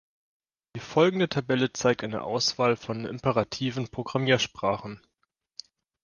Die folgende Tabelle zeigt eine Auswahl von imperativen Programmiersprachen.